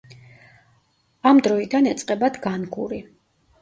ამ დროიდან ეწყებათ განგური.